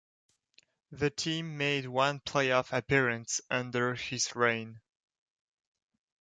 The team made one playoff appearance under his reign.